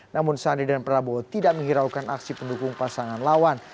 namun sandi dan prabowo tidak menghiraukan aksi pendukung pasangan lawan